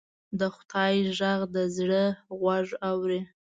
د خدای غږ د زړه غوږ اوري